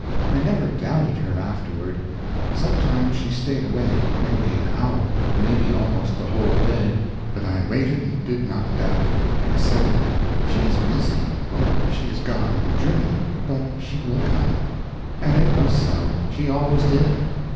I never doubted her afterward. Sometimes she stayed away maybe an hour, maybe almost the whole day, but I waited and did not doubt; I said, "She is busy, or she is gone on a journey, but she will come." And it was so: she always did.